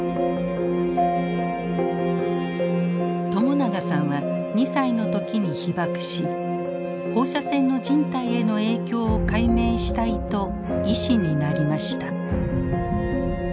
朝長さんは２歳の時に被爆し放射線の人体への影響を解明したいと医師になりました。